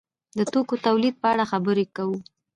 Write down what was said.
د توکو تولید په اړه خبرې کوو.